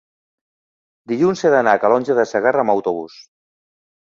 dilluns he d'anar a Calonge de Segarra amb autobús.